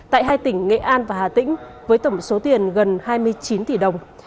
tại hai tỉnh nghệ an và hà tĩnh với tổng số tiền gần hai mươi chín tỷ đồng